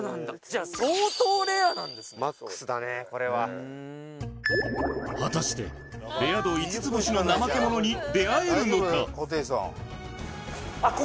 じゃあ相当レアなんですね果たしてレア度５つ星のナマケモノに出会えるのか？